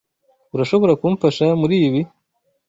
Urashobora kumfasha muribi?